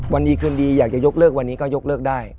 วันดีคืนดีอยากจะยกเลิกวันนี้ก็ยกเลิกได้